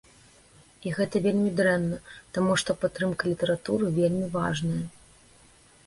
І гэта вельмі дрэнна, таму што падтрымка літаратуры вельмі важная.